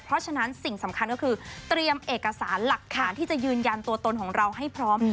เพราะฉะนั้นสิ่งสำคัญก็คือเตรียมเอกสารหลักฐานที่จะยืนยันตัวตนของเราให้พร้อม